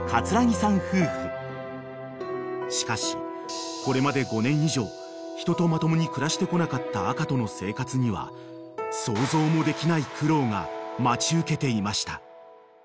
［しかしこれまで５年以上人とまともに暮らしてこなかった赤との生活には想像もできない苦労が待ち受けていました］